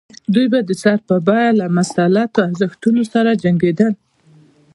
دوی به د سر په بیه له مسلطو ارزښتونو سره جنګېدل.